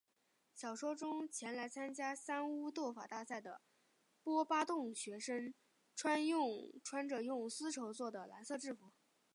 小说中前来参加三巫斗法大赛的波巴洞学生穿着用丝绸作的蓝色制服。